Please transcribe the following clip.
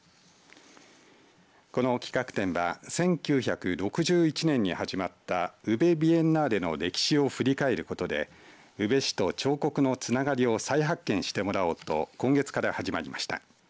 この企画展は１９６１年に始まったＵＢＥビエンナーレの歴史を振り返ることで宇部市と彫刻のつながりを再発見してもらおうと今月から始まりました。